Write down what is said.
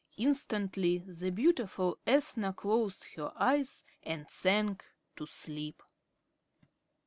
Instantly the beautiful Ethna closed her eyes and sank to sleep.